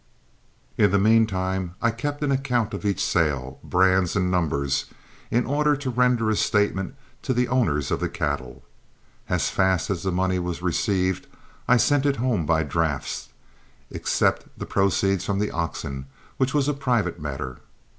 In the mean time I kept an account of each sale, brands and numbers, in order to render a statement to the owners of the cattle. As fast as the money was received I sent it home by drafts, except the proceeds from the oxen, which was a private matter.